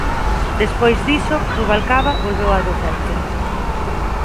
Despois diso, Rubalcaba volveu á docencia.